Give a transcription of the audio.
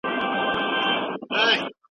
ذمي ته په درناوي کتل پکار دي.